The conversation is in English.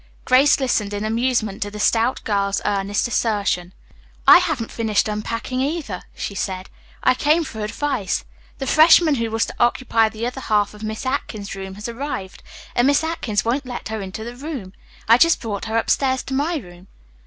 Grace listened in amusement to the stout girl's earnest assertion. "I haven't finished unpacking either," she said. "I came for advice. The freshman who was to occupy the other half of Miss Atkins's room has arrived, and Miss Atkins won't let her into the room. I just brought her upstairs to my room.